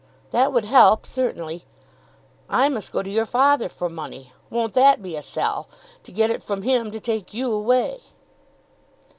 "That would help certainly. I must go to your father for money. Won't that be a sell? To get it from him, to take you away!"